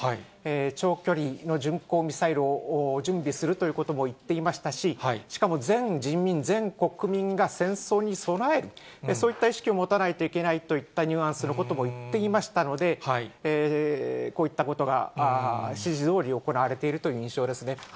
長距離巡航ミサイルを準備するということも言っていましたし、しかも、全人民、全国民が戦争に備える、そういった意識を持たないといけないといったニュアンスのことも言っていましたので、こういったことが指示どおり行われているという印象ですね。